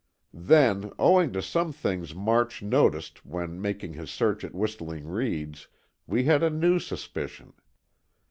Then, owing to some things March noticed when making his search at Whistling Reeds, we had a new suspicion.